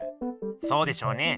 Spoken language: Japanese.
そうでしょうね。